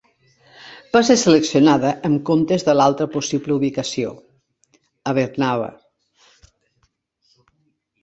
Va ser seleccionada en comptes de l'altra possible ubicació, Abermawr.